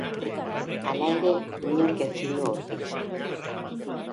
Hala ere, inork ezin du aurkitu.